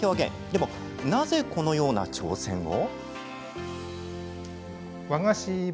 でもなぜ、このような挑戦を？